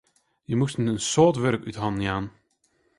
Hja moast in soad wurk út hannen jaan.